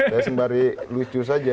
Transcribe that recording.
saya sembari lucu saja